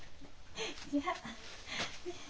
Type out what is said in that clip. じゃあ。